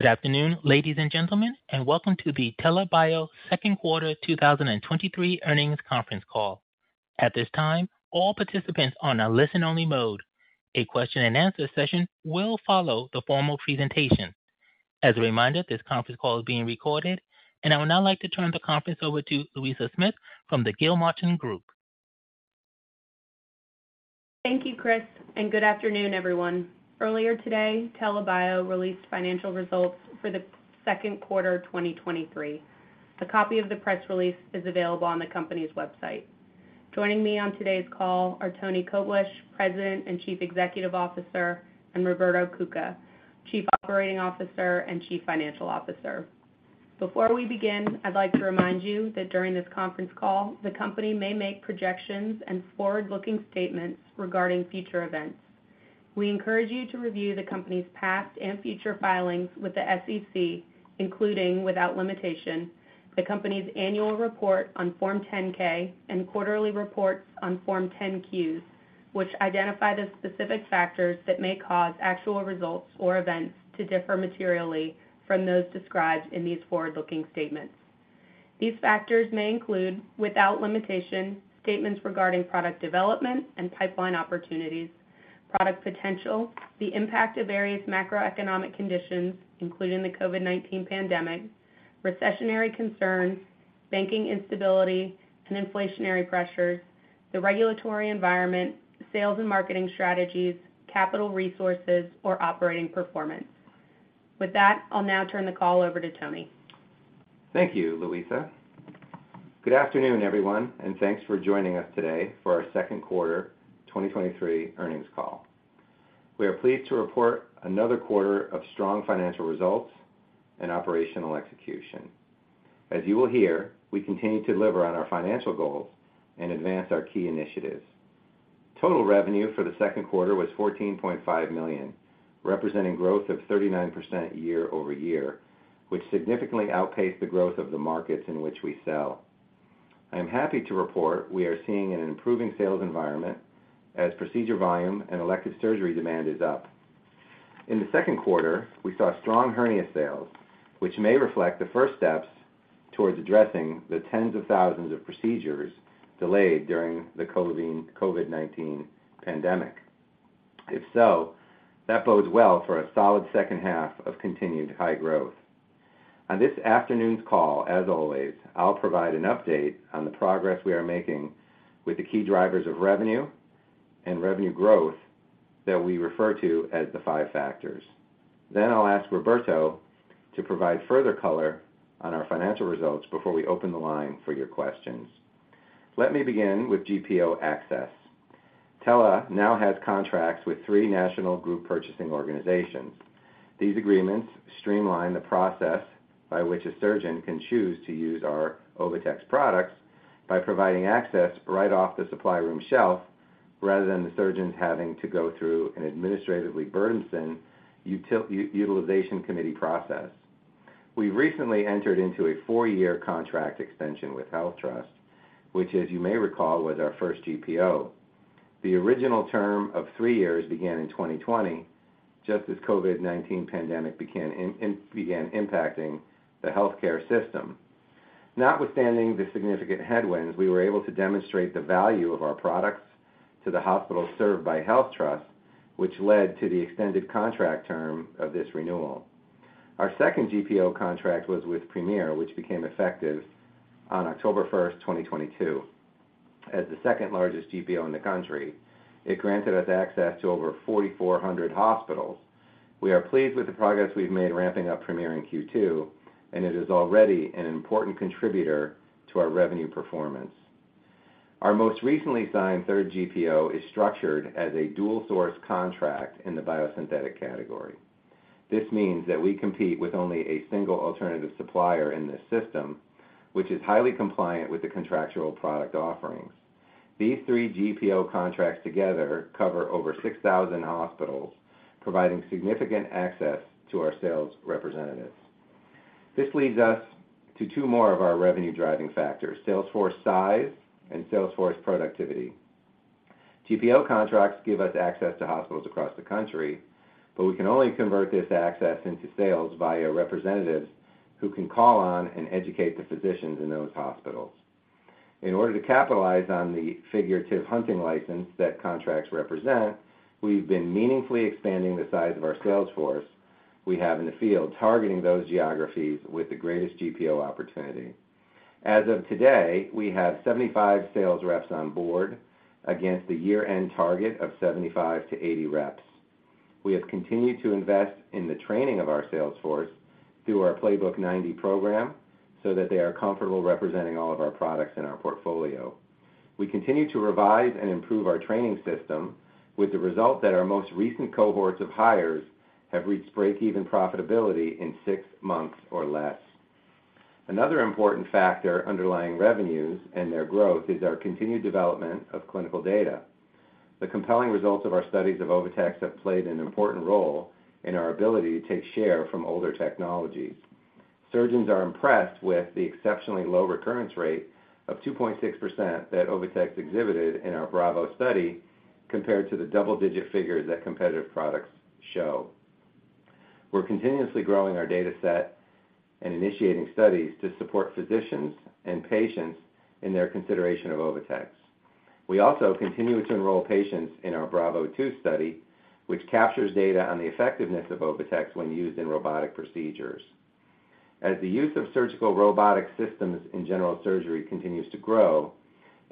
Good afternoon, ladies and gentlemen, welcome to the TELA Bio second quarter 2023 earnings conference call. At this time, all participants are on a listen-only mode. A question-and-answer session will follow the formal presentation. As a reminder, this conference call is being recorded, and I would now like to turn the conference over to Louisa Smith from the Gilmartin Group. Thank you, Chris, good afternoon, everyone. Earlier today, TELA Bio released financial results for the second quarter, 2023. A copy of the press release is available on the company's website. Joining me on today's call are Tony Koblish, President and Chief Executive Officer, and Roberto Cuca, Chief Operating Officer and Chief Financial Officer. Before we begin, I'd like to remind you that during this conference call, the company may make projections and forward-looking statements regarding future events. We encourage you to review the company's past and future filings with the SEC, including, without limitation, the company's annual report on Form 10-K and quarterly reports on Form 10-Qs, which identify the specific factors that may cause actual results or events to differ materially from those described in these forward-looking statements. These factors may include, without limitation, statements regarding product development and pipeline opportunities, product potential, the impact of various macroeconomic conditions, including the COVID-19 pandemic, recessionary concerns, banking instability and inflationary pressures, the regulatory environment, sales and marketing strategies, capital resources or operating performance. With that, I'll now turn the call over to Tony. Thank you, Louisa. Thanks for joining us today for our second quarter 2023 earnings call. We are pleased to report another quarter of strong financial results and operational execution. As you will hear, we continue to deliver on our financial goals and advance our key initiatives. Total revenue for the second quarter was $14.5 million, representing growth of 39% year-over-year, which significantly outpaced the growth of the markets in which we sell. I am happy to report we are seeing an improving sales environment as procedure volume and elective surgery demand is up. In the second quarter, we saw strong hernia sales, which may reflect the first steps towards addressing the tens of thousands of procedures delayed during the COVID-19 pandemic. If so, that bodes well for a solid second half of continued high growth. On this afternoon's call, as always, I'll provide an update on the progress we are making with the key drivers of revenue and revenue growth that we refer to as the Five Factors. I'll ask Roberto to provide further color on our financial results before we open the line for your questions. Let me begin with GPO access. TELA now has contracts with three national group purchasing organizations. These agreements streamline the process by which a surgeon can choose to use our OviTex products by providing access right off the supply room shelf, rather than the surgeons having to go through an administratively burdensome utilization committee process. We recently entered into a four-year contract extension with HealthTrust, which, as you may recall, was our first GPO. The original term of three years began in 2020, just as COVID-19 pandemic began impacting the healthcare system. Notwithstanding the significant headwinds, we were able to demonstrate the value of our products to the hospitals served by HealthTrust, which led to the extended contract term of this renewal. Our second GPO contract was with Premier, which became effective on October 1st, 2022. As the second largest GPO in the country, it granted us access to over 4,400 hospitals. We are pleased with the progress we've made ramping up Premier in Q2. It is already an important contributor to our revenue performance. Our most recently signed third GPO is structured as a dual source contract in the biosynthetic category. This means that we compete with only a single alternative supplier in this system, which is highly compliant with the contractual product offerings. These three GPO contracts together cover over 6,000 hospitals, providing significant access to our sales representatives. This leads us to two more of our revenue-driving factors, salesforce size and salesforce productivity. GPO contracts give us access to hospitals across the country, but we can only convert this access into sales via representatives who can call on and educate the physicians in those hospitals. In order to capitalize on the figurative hunting license that contracts represent, we've been meaningfully expanding the size of our sales force we have in the field, targeting those geographies with the greatest GPO opportunity. As of today, we have 75 sales reps on board against a year-end target of 75-80 reps. We have continued to invest in the training of our sales force through our Playbook 90 program, so that they are comfortable representing all of our products in our portfolio. We continue to revise and improve our training system with the result that our most recent cohorts of hires have reached breakeven profitability in six months or less. Another important factor underlying revenues and their growth is our continued development of clinical data. The compelling results of our studies of OviTex have played an important role in our ability to take share from older technologies. Surgeons are impressed with the exceptionally low recurrence rate of 2.6% that OviTex exhibited in our BRAVO study, compared to the double-digit figures that competitive products show. We're continuously growing our data set and initiating studies to support physicians and patients in their consideration of OviTex. We also continue to enroll patients in our BRAVO II study, which captures data on the effectiveness of OviTex when used in robotic procedures. As the use of surgical robotic systems in general surgery continues to grow,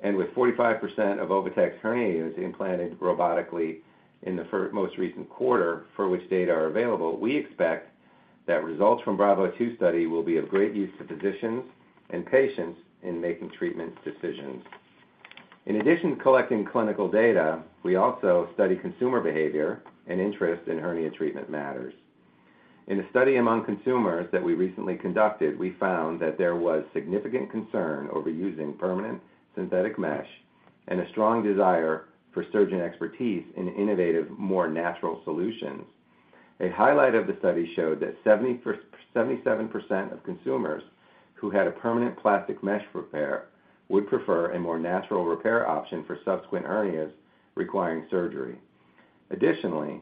and with 45% of OviTex hernias implanted robotically in the most recent quarter for which data are available, we expect that results from BRAVO II study will be of great use to physicians and patients in making treatment decisions. In addition to collecting clinical data, we also study consumer behavior and interest in hernia treatment matters. In a study among consumers that we recently conducted, we found that there was significant concern over using permanent synthetic mesh and a strong desire for surgeon expertise in innovative, more natural solutions. A highlight of the study showed that 77% of consumers who had a permanent plastic mesh repair would prefer a more natural repair option for subsequent hernias requiring surgery. Additionally,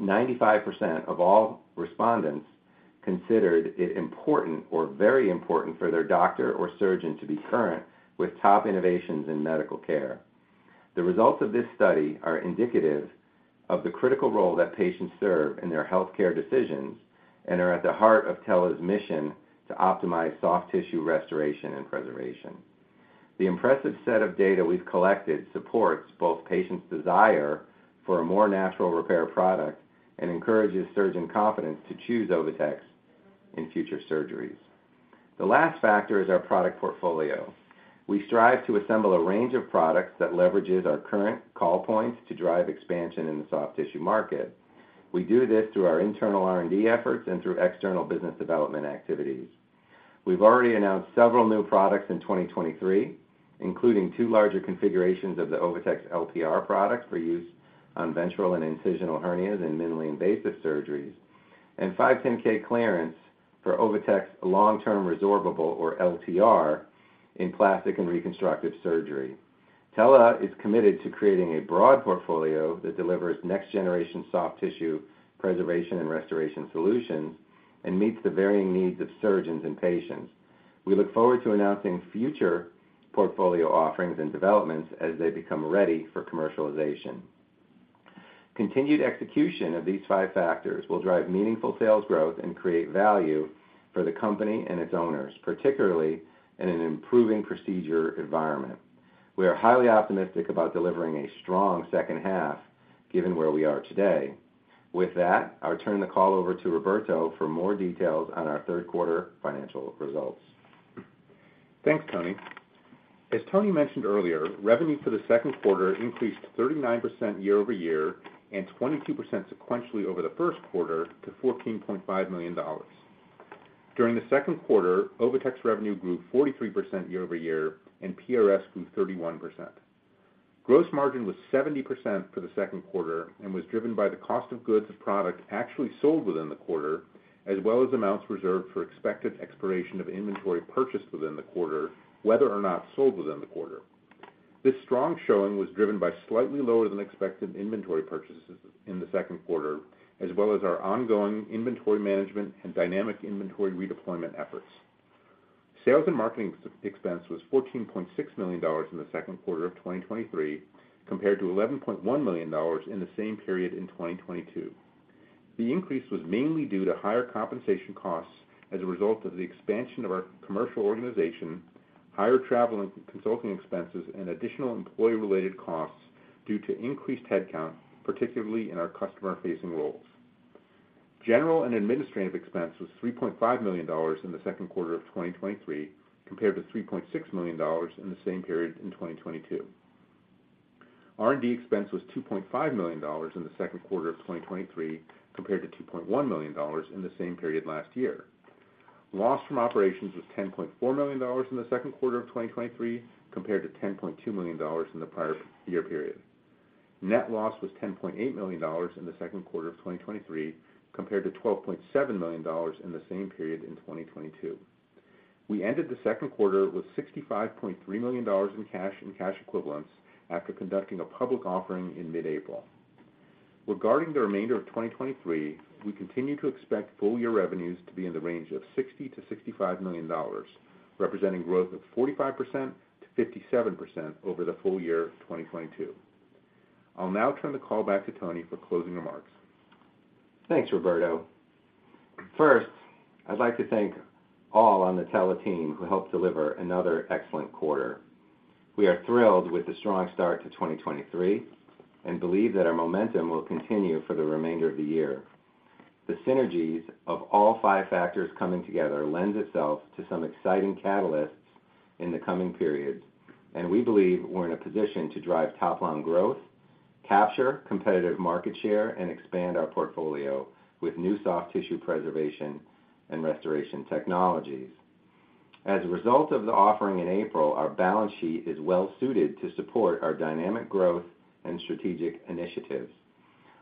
95% of all respondents considered it important or very important for their doctor or surgeon to be current with top innovations in medical care. The results of this study are indicative of the critical role that patients serve in their healthcare decisions and are at the heart of TELA's mission to optimize soft tissue restoration and preservation. The impressive set of data we've collected supports both patients' desire for a more natural repair product and encourages surgeon confidence to choose OviTex in future surgeries. The last factor is our product portfolio. We strive to assemble a range of products that leverages our current call points to drive expansion in the soft tissue market. We do this through our internal R&D efforts and through external business development activities. We've already announced several new products in 2023, including two larger configurations of the OviTex LTR product for use on ventral and incisional hernias in minimally invasive surgeries, 510(k) clearance for OviTex Long-Term Resorbable, or LTR, in plastic and reconstructive surgery. TELA is committed to creating a broad portfolio that delivers next-generation soft tissue preservation and restoration solutions and meets the varying needs of surgeons and patients. We look forward to announcing future portfolio offerings and developments as they become ready for commercialization. Continued execution of these Five Factors will drive meaningful sales growth and create value for the company and its owners, particularly in an improving procedure environment. We are highly optimistic about delivering a strong second half, given where we are today. With that, I'll turn the call over to Roberto for more details on our third quarter financial results. Thanks, Tony. As Tony mentioned earlier, revenue for the second quarter increased 39% year-over-year and 22% sequentially over the first quarter to $14.5 million. During the second quarter, OviTex revenue grew 43% year-over-year, and PRS grew 31%. Gross margin was 70% for the second quarter and was driven by the cost of goods of product actually sold within the quarter, as well as amounts reserved for expected expiration of inventory purchased within the quarter, whether or not sold within the quarter. This strong showing was driven by slightly lower than expected inventory purchases in the second quarter, as well as our ongoing inventory management and dynamic inventory redeployment efforts. Sales and marketing ex-expense was $14.6 million in the second quarter of 2023, compared to $11.1 million in the same period in 2022. The increase was mainly due to higher compensation costs as a result of the expansion of our commercial organization, higher travel and consulting expenses, and additional employee-related costs due to increased headcount, particularly in our customer-facing roles. General and administrative expense was $3.5 million in the second quarter of 2023, compared to $3.6 million in the same period in 2022. R&D expense was $2.5 million in the second quarter of 2023, compared to $2.1 million in the same period last year. Loss from operations was $10.4 million in the second quarter of 2023, compared to $10.2 million in the prior year period. Net loss was $10.8 million in the second quarter of 2023, compared to $12.7 million in the same period in 2022. We ended the second quarter with $65.3 million in cash and cash equivalents after conducting a public offering in mid-April. Regarding the remainder of 2023, we continue to expect full year revenues to be in the range of $60 million-$65 million, representing growth of 45%-57% over the full year of 2022. I'll now turn the call back to Tony for closing remarks. Thanks, Roberto. First, I'd like to thank all on the TELA team who helped deliver another excellent quarter. We are thrilled with the strong start to 2023 and believe that our momentum will continue for the remainder of the year. The synergies of all Five Factors coming together lends itself to some exciting catalysts in the coming periods, and we believe we're in a position to drive top-line growth, capture competitive market share, and expand our portfolio with new soft tissue preservation and restoration technologies. As a result of the offering in April, our balance sheet is well suited to support our dynamic growth and strategic initiatives.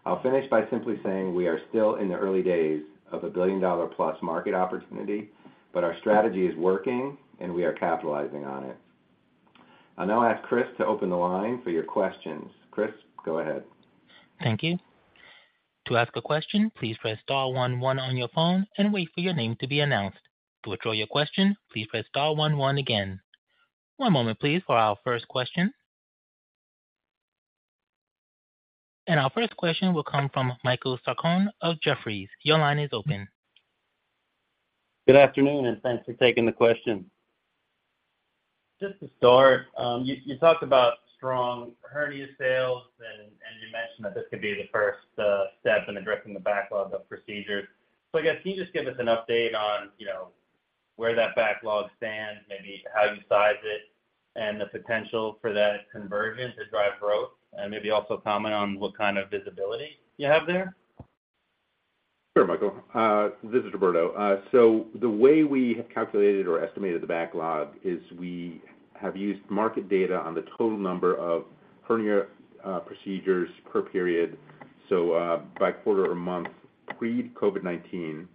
I'll finish by simply saying we are still in the early days of a $1 billion-plus market opportunity, but our strategy is working, and we are capitalizing on it. I'll now ask Chris to open the line for your questions. Chris, go ahead. Thank you. To ask a question, please press star one one on your phone and wait for your name to be announced. To withdraw your question, please press star one one again. One moment, please, for our first question. Our first question will come from Michael Sarcone of Jefferies. Your line is open. Good afternoon, thanks for taking the question. Just to start, you, you talked about strong hernia sales, and, and you mentioned that this could be the first step in addressing the backlog of procedures. I guess, can you just give us an update on, you know, where that backlog stands, maybe how you size it, and the potential for that conversion to drive growth? Maybe also comment on what kind of visibility you have there. Sure, Michael. This is Roberto. The way we have calculated or estimated the backlog is we have used market data on the total number of hernia procedures per period, so by quarter or month, pre-COVID-19.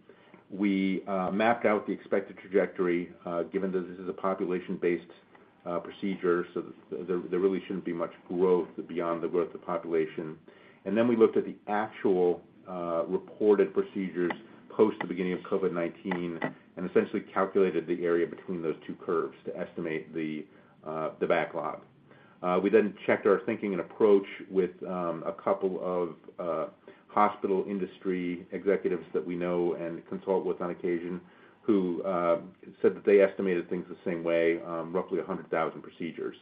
We mapped out the expected trajectory given that this is a population-based procedure, so there, there really shouldn't be much growth beyond the growth of population. Then we looked at the actual reported procedures post the beginning of COVID-19 and essentially calculated the area between those two curves to estimate the backlog. We then checked our thinking and approach with a couple of hospital industry executives that we know and consult with on occasion, who said that they estimated things the same way, roughly 100,000 procedures.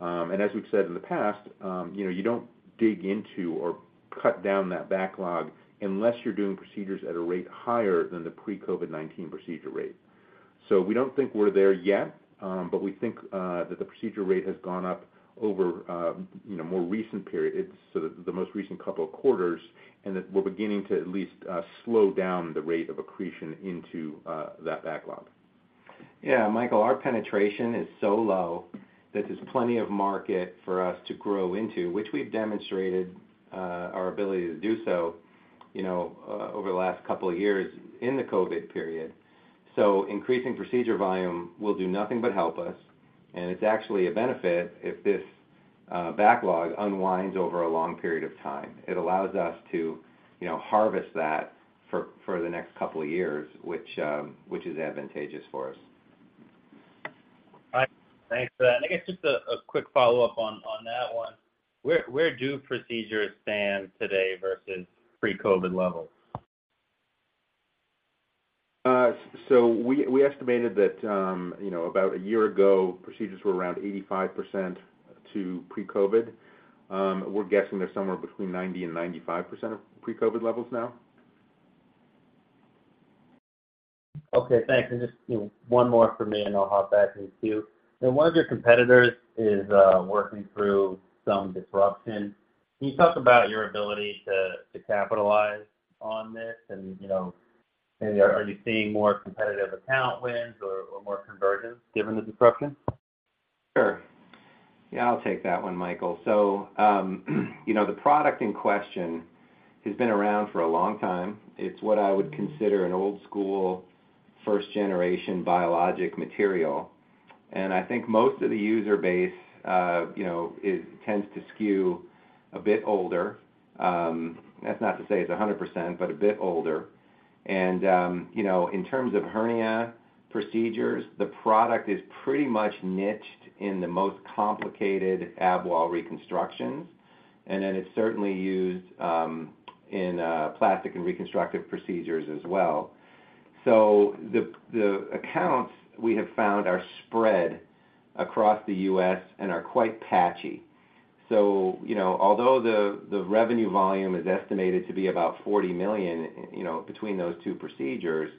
As we've said in the past, you know, you don't dig into or cut down that backlog unless you're doing procedures at a rate higher than the pre-COVID-19 procedure rate. We don't think we're there yet, but we think that the procedure rate has gone up over, you know, more recent periods, so the, the most recent couple of quarters, and that we're beginning to at least slow down the rate of accretion into that backlog. Yeah, Michael, our penetration is so low that there's plenty of market for us to grow into, which we've demonstrated, our ability to do so, you know, over the last couple of years in the COVID period. Increasing procedure volume will do nothing but help us, and it's actually a benefit if this backlog unwinds over a long period of time. It allows us to, you know, harvest that for, for the next couple of years, which, which is advantageous for us. Right. Thanks for that. I guess just a quick follow-up on that one. Where do procedures stand today versus pre-COVID levels? We, we estimated that, you know, about a year ago, procedures were around 85% to pre-COVID. We're guessing they're somewhere between 90% and 95% of pre-COVID levels now. Okay, thanks. Just, you know, one more from me, and I'll hop back into you. One of your competitors is working through some disruption. Can you talk about your ability to capitalize on this? You know, are you seeing more competitive account wins or more conversions given the disruption? Sure. Yeah, I'll take that one, Michael. You know, the product in question has been around for a long time. It's what I would consider an old school, first generation biologic material, and I think most of the user base, you know, it tends to skew a bit older. That's not to say it's 100%, but a bit older. You know, in terms of hernia procedures, the product is pretty much niched in the most complicated ab wall reconstructions, and then it's certainly used in plastic and reconstructive procedures as well. The, the accounts we have found are spread across the U.S. and are quite patchy. You know, although the, the revenue volume is estimated to be about $40 million, you know, between those two procedures,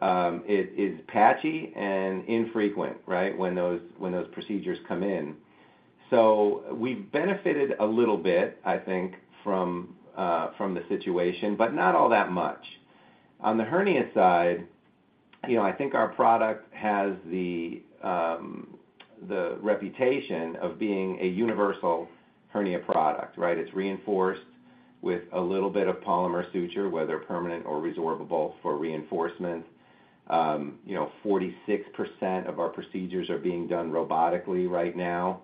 it is patchy and infrequent, right? When those, when those procedures come in. We've benefited a little bit, I think, from, from the situation, but not all that much. On the hernia side, you know, I think our product has the reputation of being a universal hernia product, right? It's reinforced with a little bit of polymer suture, whether permanent or resorbable, for reinforcement. You know, 46% of our procedures are being done robotically right now,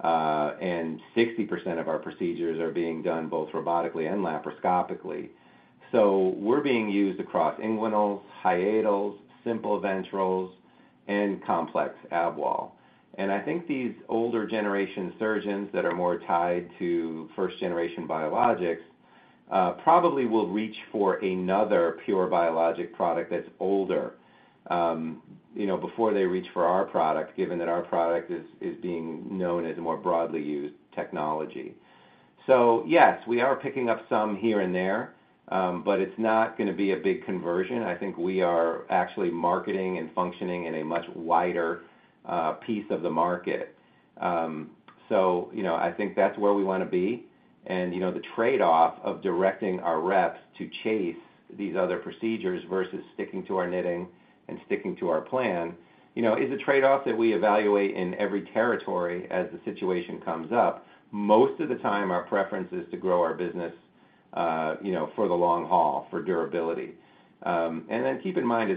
and 60% of our procedures are being done both robotically and laparoscopically. We're being used across inguinals, hiatals, simple ventrals, and complex ab wall. I think these older generation surgeons that are more tied to first-generation biologics, probably will reach for another pure biologic product that's older, you know, before they reach for our product, given that our product is, is being known as a more broadly used technology. So yes, we are picking up some here and there, but it's not going to be a big conversion. I think we are actually marketing and functioning in a much wider piece of the market. So, you know, I think that's where we want to be. You know, the trade-off of directing our reps to chase these other procedures versus sticking to our knitting and sticking to our plan, you know, is a trade-off that we evaluate in every territory as the situation comes up. Most of the time, our preference is to grow our business, you know, for the long haul, for durability. Then keep in mind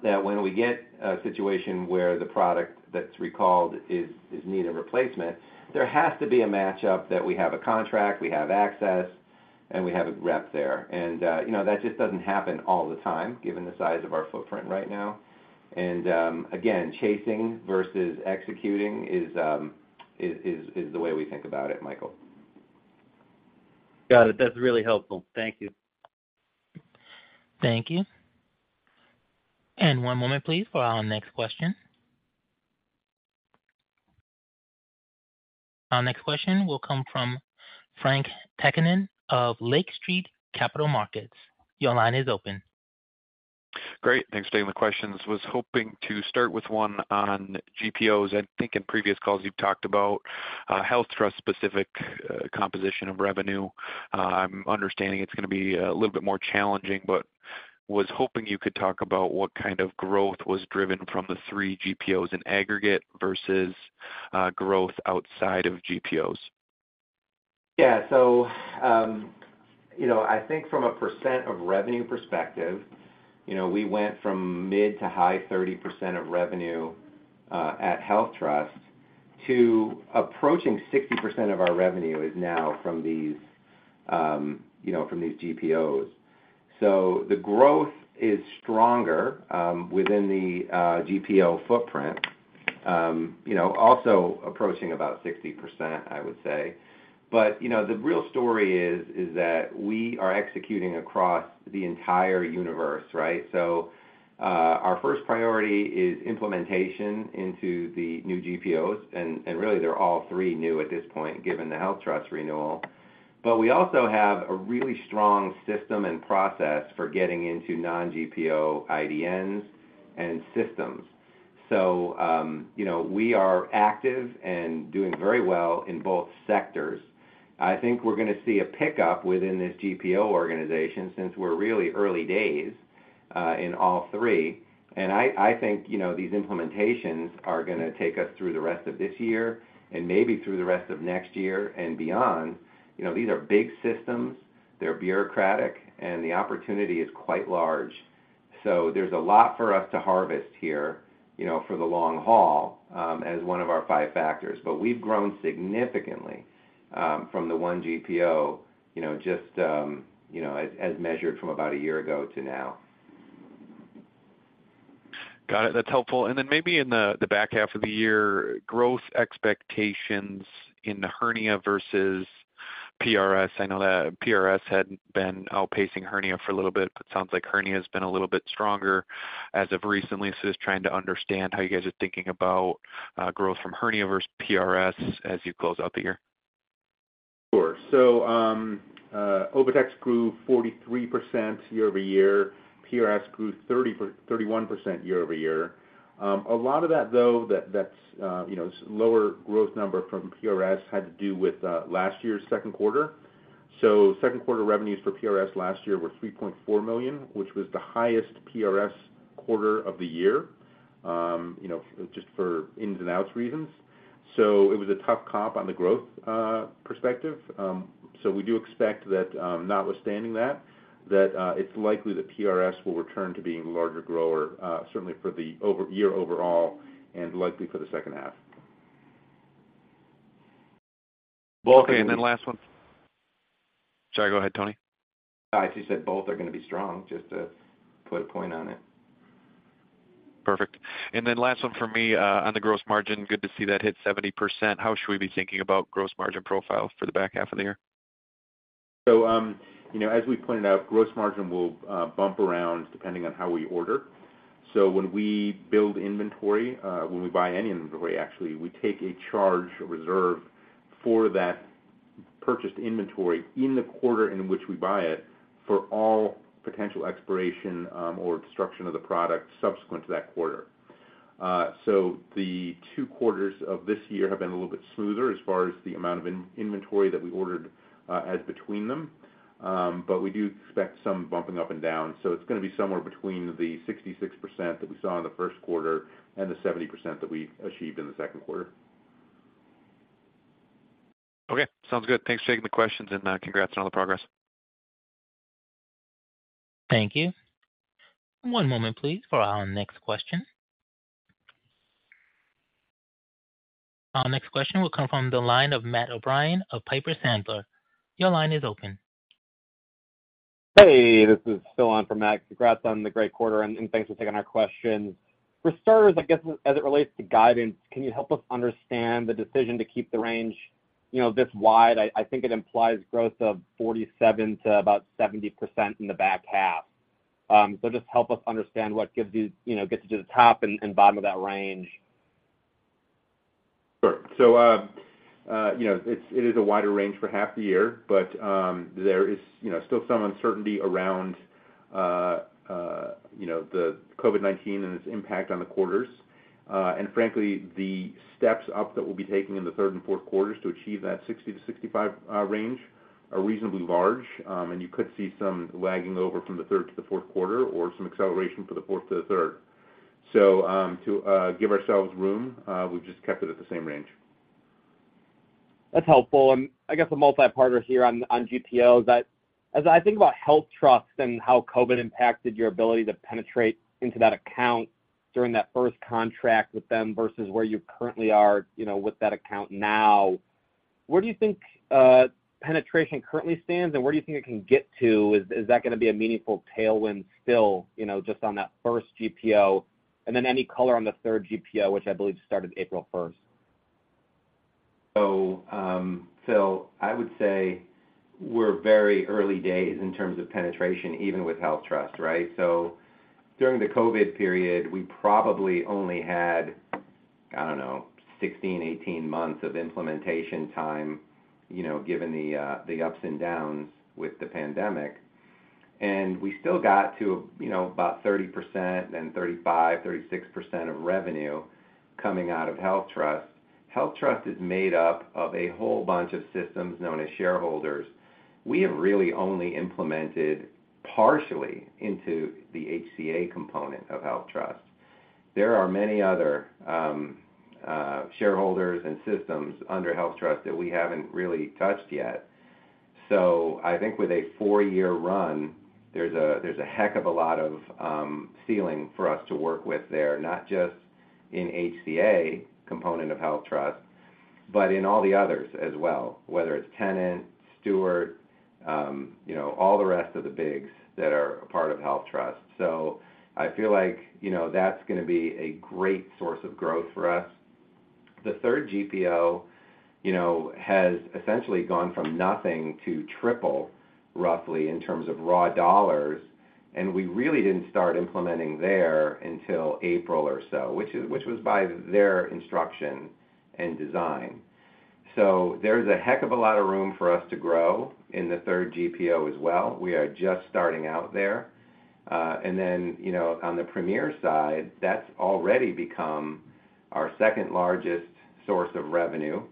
as well, that when we get a situation where the product that's recalled is, is need a replacement, there has to be a match up that we have a contract, we have access, and we have a rep there. You know, that just doesn't happen all the time, given the size of our footprint right now. Again, chasing versus executing is, is, is, is the way we think about it, Michael. Got it. That's really helpful. Thank you. Thank you. One moment, please, for our next question. Our next question will come from Frank Takkinen of Lake Street Capital Markets. Your line is open. Great. Thanks for taking the questions. Was hoping to start with one on GPOs. I think in previous calls, you've talked about HealthTrust specific composition of revenue. I'm understanding it's gonna be a little bit more challenging, but was hoping you could talk about what kind of growth was driven from the 3 GPOs in aggregate versus growth outside of GPOs. Yeah. You know, I think from a percent of revenue perspective, you know, we went from mid to high 30% of revenue at HealthTrust, to approaching 60% of our revenue is now from these, you know, from these GPOs. The growth is stronger within the GPO footprint, you know, also approaching about 60%, I would say. You know, the real story is, is that we are executing across the entire universe, right? Our first priority is implementation into the new GPOs, and, and really, they're all three new at this point, given the HealthTrust renewal. We also have a really strong system and process for getting into non-GPO IDNs and systems. You know, we are active and doing very well in both sectors. I think we're gonna see a pickup within this GPO organization since we're really early days in all three. I think, you know, these implementations are gonna take us through the rest of this year and maybe through the rest of next year and beyond. You know, these are big systems, they're bureaucratic, and the opportunity is quite large. There's a lot for us to harvest here, you know, for the long haul, as one of our Five Factors. We've grown significantly from the one GPO, you know, just, you know, as, as measured from about a year ago to now. Got it. That's helpful. Then maybe in the back half of the year, growth expectations in the hernia versus PRS. I know that PRS had been outpacing hernia for a little bit. Sounds like hernia has been a little bit stronger as of recently. Just trying to understand how you guys are thinking about growth from hernia versus PRS as you close out the year? Sure. OviTex grew 43% year-over-year. PRS grew 31% year-over-year. A lot of that, though, that, that's, you know, lower growth number from PRS had to do with last year's second quarter. Second quarter revenues for PRS last year were $3.4 million, which was the highest PRS quarter of the year, you know, just for ins and outs reasons. It was a tough comp on the growth perspective. We do expect that, notwithstanding that, that it's likely that PRS will return to being a larger grower, certainly for the year overall and likely for the second half. Well, then last one. Sorry, go ahead, Tony. I just said both are going to be strong, just to put a point on it. Perfect. Then last one for me, on the gross margin. Good to see that hit 70%. How should we be thinking about gross margin profile for the back half of the year? You know, as we pointed out, gross margin will bump around depending on how we order. When we build inventory, when we buy any inventory, actually, we take a charge, a reserve for that purchased inventory in the quarter in which we buy it, for all potential expiration or destruction of the product subsequent to that quarter. The two quarters of this year have been a little bit smoother as far as the amount of in- inventory that we ordered, as between them. We do expect some bumping up and down, so it's gonna be somewhere between the 66% that we saw in the first quarter and the 70% that we achieved in the second quarter. Okay, sounds good. Thanks for taking the questions and, congrats on all the progress. Thank you. One moment, please, for our next question. Our next question will come from the line of Matt O'Brien of Piper Sandler. Your line is open. Hey, this is still on for Matt. Congrats on the great quarter, and, and thanks for taking our questions. For starters, I guess, as it relates to guidance, can you help us understand the decision to keep the range, you know, this wide? I think it implies growth of 47% to about 70% in the back half. Just help us understand what gives you, you know, gets you to the top and, and bottom of that range. Sure. you know, it's, it is a wider range for half the year, but there is, you know, still some uncertainty around, you know, the COVID-19 and its impact on the quarters. Frankly, the steps up that we'll be taking in the third and fourth quarters to achieve that 60-65 range are reasonably large, and you could see some lagging over from the third to the fourth quarter or some acceleration for the fourth to the third. To give ourselves room, we've just kept it at the same range. That's helpful. I guess a multi-parter here on, on GPOs. As I think about HealthTrust and how COVID impacted your ability to penetrate into that account during that first contract with them versus where you currently are, you know, with that account now, where do you think penetration currently stands, and where do you think it can get to? Is that gonna be a meaningful tailwind still, you know, just on that first GPO? Any color on the third GPO, which I believe started April 1st. I would say we're very early days in terms of penetration, even with HealthTrust, right? During the COVID period, we probably only had, I don't know, 16, 18 months of implementation time, you know, given the ups and downs with the pandemic. We still got to, you know, about 30% and 35%-36% of revenue coming out of HealthTrust. HealthTrust is made up of a whole bunch of systems known as shareholders. We have really only implemented partially into the HCA component of HealthTrust. There are many other shareholders and systems under HealthTrust that we haven't really touched yet. I think with a four-year run, there's a, there's a heck of a lot of ceiling for us to work with there, not just in HCA component of HealthTrust, but in all the others as well, whether it's Tenet, Steward, you know, all the rest of the bigs that are a part of HealthTrust. I feel like, you know, that's gonna be a great source of growth for us. The third GPO, you know, has essentially gone from nothing to 3x, roughly, in terms of raw dollars, and we really didn't start implementing there until April or so, which was by their instruction and design. There's a heck of a lot of room for us to grow in the third GPO as well. We are just starting out there. Then, you know, on the Premier side, that's already become our second largest source of revenue.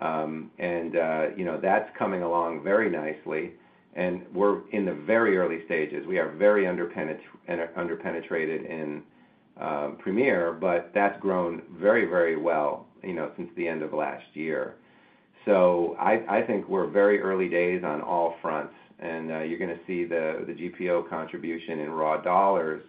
You know, that's coming along very nicely, and we're in the very early stages. We are very underpenetrated in, Premier, but that's grown very, very well, you know, since the end of last year. I, I think we're very early days on all fronts, and, you're gonna see the, the GPO contribution in raw dollars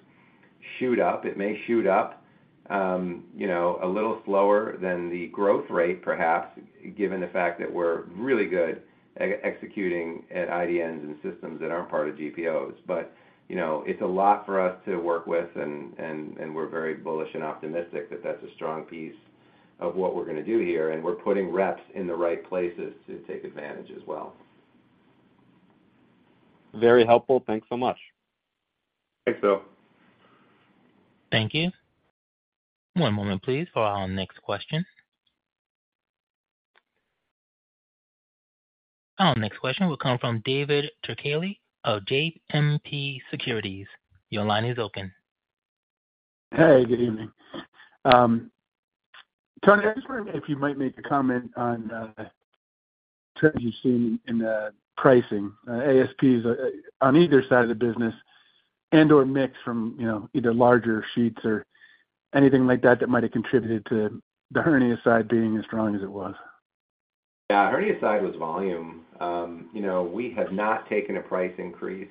shoot up. It may shoot up, you know, a little slower than the growth rate, perhaps, given the fact that we're really good executing at IDNs and systems that aren't part of GPOs. You know, it's a lot for us to work with, and, and, and we're very bullish and optimistic that that's a strong piece of what we're gonna do here, and we're putting reps in the right places to take advantage as well. Very helpful. Thanks so much. Thanks, Bill. Thank you. One moment, please, for our next question. Our next question will come from David Turkaly of JMP Securities. Your line is open. Hey, good evening. Tony, I was wondering if you might make a comment on trends you've seen in the pricing, ASPs, on either side of the business and/or mix from, you know, either larger sheets or anything like that that might have contributed to the hernia side being as strong as it was. Yeah, hernia side was volume. You know, we have not taken a price increase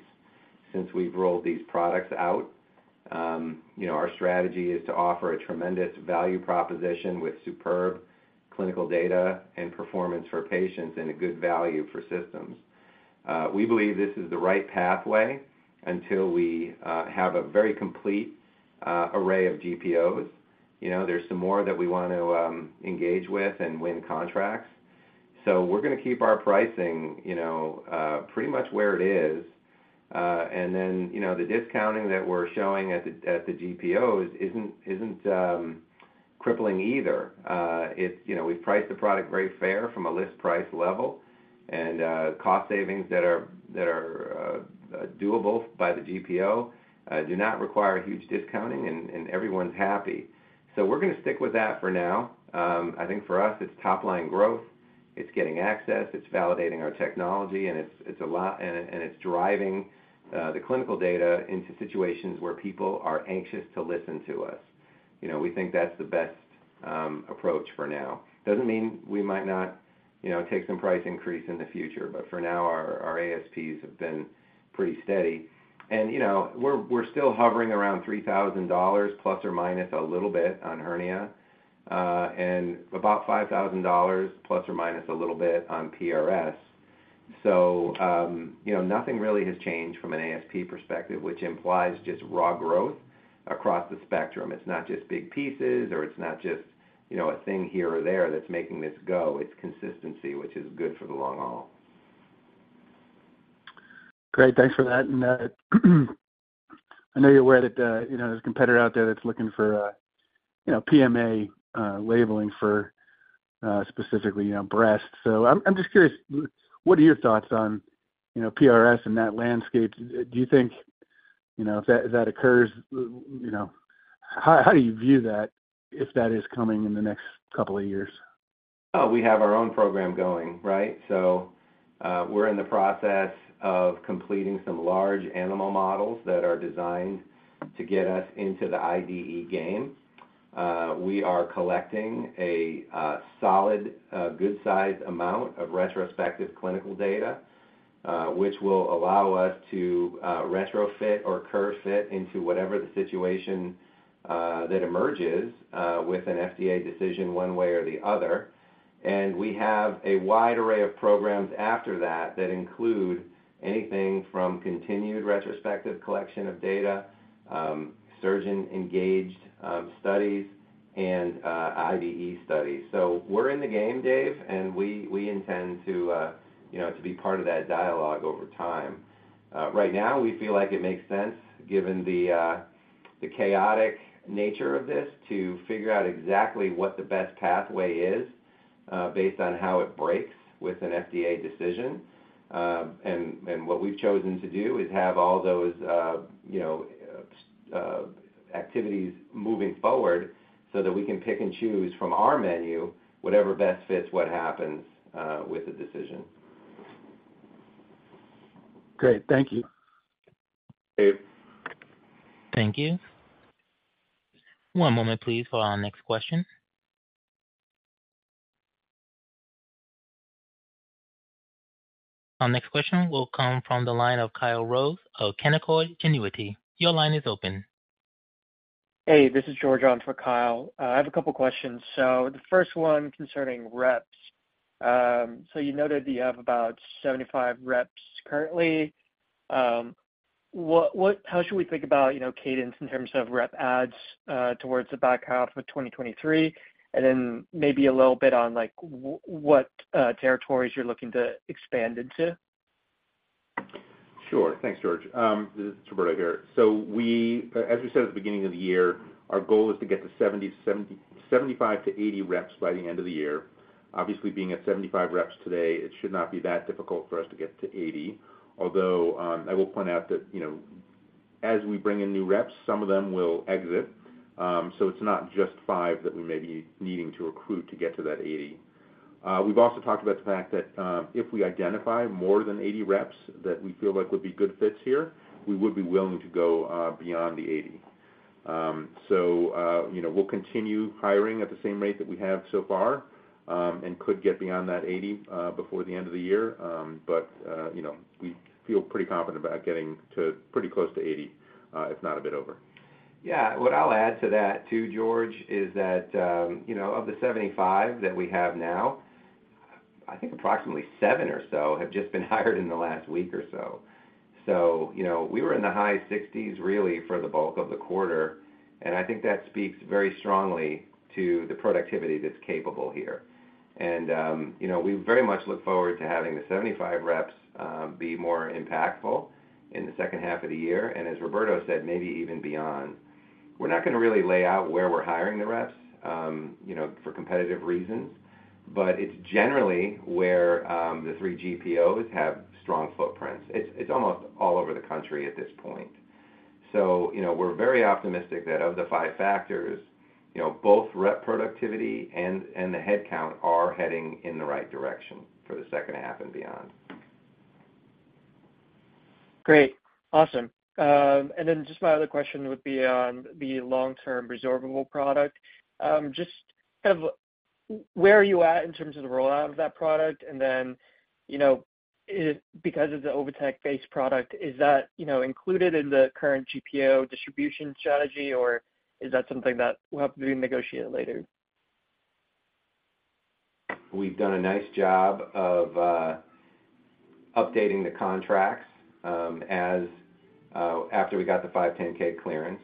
since we've rolled these products out. You know, our strategy is to offer a tremendous value proposition with superb clinical data and performance for patients and a good value for systems. We believe this is the right pathway until we have a very complete array of GPOs. You know, there's some more that we want to engage with and win contracts. We're gonna keep our pricing, you know, pretty much where it is. You know, the discounting that we're showing at the, at the GPOs isn't, isn't crippling either. It's, you know, we've priced the product very fair from a list price level, and cost savings that are, that are, doable by the GPO, do not require huge discounting, and everyone's happy. We're gonna stick with that for now. I think for us, it's top-line growth, it's getting access, it's validating our technology, and it's driving the clinical data into situations where people are anxious to listen to us. You know, we think that's the best approach for now. Doesn't mean we might not, you know, take some price increase in the future, but for now, our ASPs have been pretty steady. You know, we're, we're still hovering around $3,000± a little bit, on hernia, and about $5,000± a little bit, on PRS. You know, nothing really has changed from an ASP perspective, which implies just raw growth across the spectrum. It's not just big pieces, or it's not just, you know, a thing here or there that's making this go. It's consistency, which is good for the long haul.... Great. Thanks for that. I know you're aware that, you know, there's a competitor out there that's looking for, you know, PMA labeling for, specifically, breast. I'm just curious, what are your thoughts on PRS in that landscape? Do you think, if that, that occurs, how, how do you view that, if that is coming in the next couple of years? Well, we have our own program going, right? So, we're in the process of completing some large animal models that are designed to get us into the IDE game. We are collecting a solid, good-sized amount of retrospective clinical data, which will allow us to retrofit or curve fit into whatever the situation that emerges with an FDA decision one way or the other. We have a wide array of programs after that, that include anything from continued retrospective collection of data, surgeon-engaged studies, and IDE studies. We're in the game, Dave, and we, we intend to, you know, to be part of that dialogue over time. Right now, we feel like it makes sense, given the chaotic nature of this, to figure out exactly what the best pathway is, based on how it breaks with an FDA decision. What we've chosen to do is have all those, you know, activities moving forward so that we can pick and choose from our menu, whatever best fits what happens, with the decision. Great. Thank you. Dave. Thank you. One moment, please, for our next question. Our next question will come from the line of Kyle Rose of Canaccord Genuity. Your line is open. Hey, this is George on for Kyle. I have a couple questions. The first one concerning reps. You noted you have about 75 reps currently. What, how should we think about, you know, cadence in terms of rep adds towards the back half of 2023? Then maybe a little bit on, like, what territories you're looking to expand into? Sure. Thanks, George. This is Roberto here. As we said at the beginning of the year, our goal is to get to 70, 75 to 80 reps by the end of the year. Obviously, being at 75 reps today, it should not be that difficult for us to get to 80. Although, I will point out that, you know, as we bring in new reps, some of them will exit. It's not just 5 that we may be needing to recruit to get to that 80. We've also talked about the fact that, if we identify more than 80 reps that we feel like would be good fits here, we would be willing to go beyond the 80. You know, we'll continue hiring at the same rate that we have so far, and could get beyond that 80, before the end of the year. You know, we feel pretty confident about getting to pretty close to 80, if not a bit over. Yeah. What I'll add to that too, George, is that, you know, of the 75 that we have now, I think approximately 7 or so have just been hired in the last week or so. You know, we were in the high 60s, really, for the bulk of the quarter, and I think that speaks very strongly to the productivity that's capable here. You know, we very much look forward to having the 75 reps, be more impactful in the second half of the year, and as Roberto said, maybe even beyond. We're not going to really lay out where we're hiring the reps, you know, for competitive reasons, but it's generally where the three GPOs have strong footprints. It's, it's almost all over the country at this point. you know, we're very optimistic that of the Five Factors, you know, both rep productivity and, and the headcount are heading in the right direction for the second half and beyond. Great. Awesome. Just my other question would be on the Long-Term Resorbable product. Just kind of where are you at in terms of the rollout of that product? You know, because of the OviTex-based product, is that, you know, included in the current GPO distribution strategy, or is that something that will have to be negotiated later? We've done a nice job of updating the contracts as after we got the 510(k) clearance.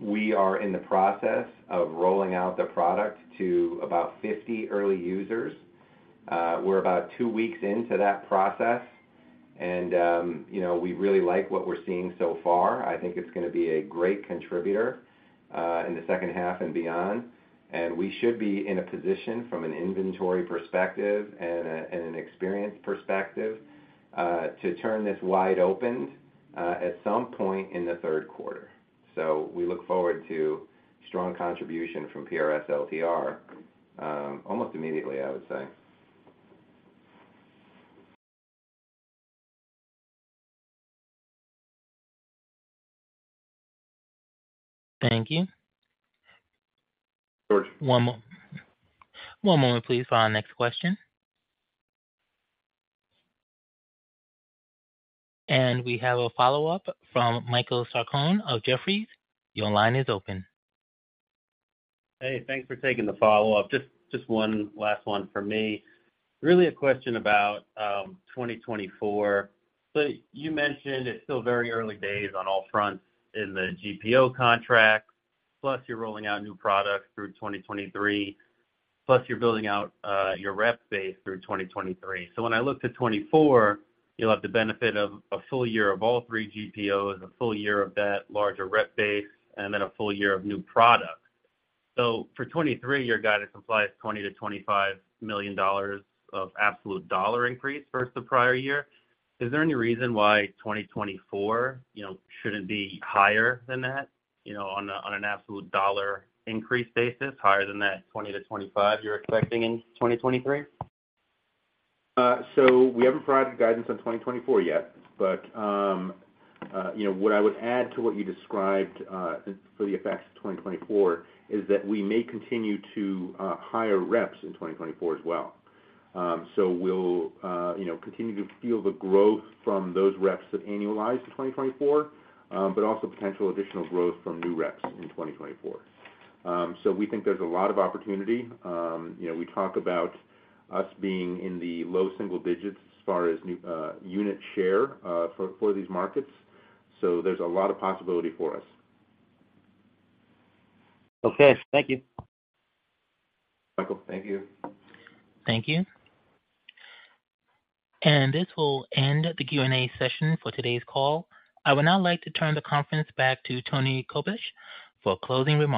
We are in the process of rolling out the product to about 50 early users. We're about two weeks into that process, and, you know, we really like what we're seeing so far. I think it's gonna be a great contributor in the second half and beyond. We should be in a position from an inventory perspective and an experience perspective to turn this wide open at some point in the third quarter. We look forward to strong contribution from PRS LTR almost immediately, I would say. Thank you. George. One moment, please, for our next question. We have a follow-up from Michael Sarcone of Jefferies. Your line is open. Hey, thanks for taking the follow-up. Just, just one last one for me. Really a question about, 2024. You mentioned it's still very early days on all fronts in the GPO contract, plus you're rolling out new products through 2023, plus you're building out your rep base through 2023. When I look to 2024, you'll have the benefit of a full year of all three GPOs, a full year of that larger rep base, and then a full year of new products. For 2023, your guided supply is $20 million-$25 million of absolute dollar increase versus the prior year. Is there any reason why 2024, you know, shouldn't be higher than that, you know, on a, on an absolute dollar increase basis, higher than that $20 million-$25 million you're expecting in 2023? We haven't provided guidance on 2024 yet, but, you know, what I would add to what you described, for the effects of 2024, is that we may continue to hire reps in 2024 as well. We'll, you know, continue to feel the growth from those reps that annualize to 2024, but also potential additional growth from new reps in 2024. We think there's a lot of opportunity. You know, we talk about us being in the low single digits as far as unit share, for, for these markets, so there's a lot of possibility for us. Okay. Thank you. Michael, thank you. Thank you. This will end the Q&A session for today's call. I would now like to turn the conference back to Tony Koblish for closing remarks.